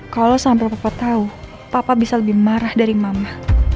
kalau sampai papa tahu papa bisa lebih marah dari mama